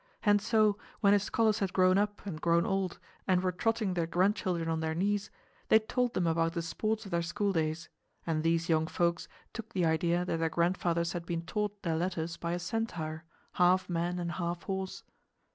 And so, when his scholars had grown up and grown old and were trotting their grandchildren on their knees, they told them about the sports of their school days; and these young folks took the idea that their grandfathers had been taught their letters by a Centaur, half man and half horse.